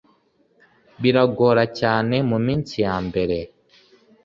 biragora cyane mu minsi ya mbere